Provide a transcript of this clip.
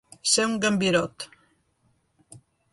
Ser un gambirot.